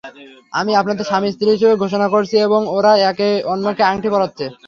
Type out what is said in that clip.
আমি আপনাদের স্বামী-স্ত্রী হিসাবে ঘোষণা করছি এখন ওরা একে অন্যকে আংটি পরাচ্ছে।